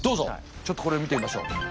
ちょっとこれ見てみましょう。